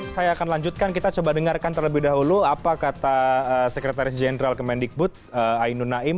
saya akan lanjutkan kita coba dengarkan terlebih dahulu apa kata sekretaris jenderal kemendikbud ainu naim